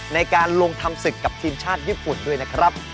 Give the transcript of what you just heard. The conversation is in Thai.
ในการลงทำศึกกับทีมชาติญี่ปุ่นด้วยนะครับ